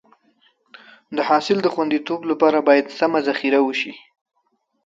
د حاصل د خونديتوب لپاره باید سمه ذخیره وشي.